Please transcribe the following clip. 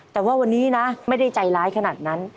แต่ว่าวันนี้นะไม่ได้ใจร้ายขนาดนั้น